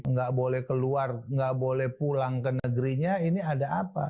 nggak boleh keluar nggak boleh pulang ke negerinya ini ada apa